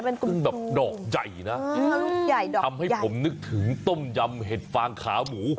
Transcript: ดอกสึงดอกใหญ่นะเพื่อให้ผมนึกถึงต้มยำเห็ดฟางขาหมู